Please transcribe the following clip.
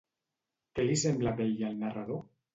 Què li sembla bell al narrador?